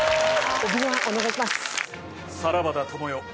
さらばだ、友よ